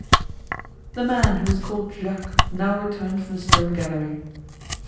The man, who was called Jacques, now returned from the stone gallery.